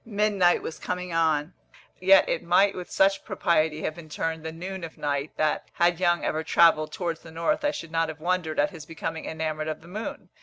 Midnight was coming on, yet it might with such propriety have been termed the noon of night that, had Young ever travelled towards the north, I should not have wondered at his becoming enamoured of the moon.